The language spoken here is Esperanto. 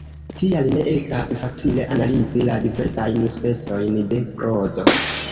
Tial ne estas facile analizi la diversajn specojn de prozo.